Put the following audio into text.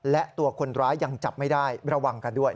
และตัวคนร้ายยังจับไม่ได้ระวังกันด้วย